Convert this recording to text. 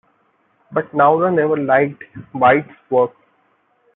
But Nowra never liked White's work.